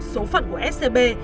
số phận của scb